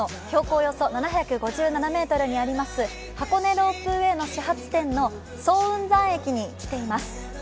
およそ７５７ｍにあります、箱根ロープウェイの始発点の早雲山駅に来ています。